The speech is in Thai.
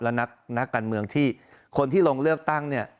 และนักการเมืองที่คนที่ลงเลือกตั้งเนี่ย